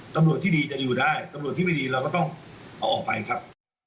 ตำรวจที่ดีจะอยู่ได้ตำรวจที่ไม่ดีเราก็ต้องเอาออกไปครับ